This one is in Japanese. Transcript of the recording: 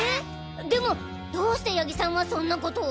でもどうして谷木さんはそんなことを？